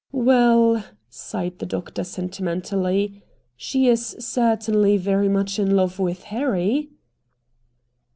"Well," sighed the doctor sentimentally, "she is certainly very much in love with Harry."